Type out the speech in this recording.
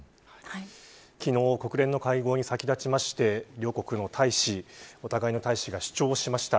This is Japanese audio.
昨日国連の会合に先立ちまして両国のお互いの大使が主張しました。